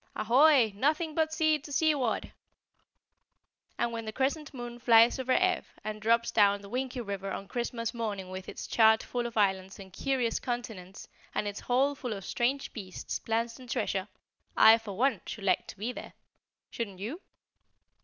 "Ahoy! Ahoy! Nothing but sea t'seaward!" And when the Crescent Moon flies over Ev and drops down the Winkie River on Christmas morning with its chart full of islands and curious continents and its hold full of strange beasts, plants and treasure, I for one should like to be there, shouldn't you?